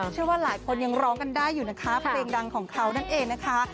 เชื่อว่าหลายคนยังร้องกันได้อยู่นะคะเพลงดังของเขานั่นเองนะคะ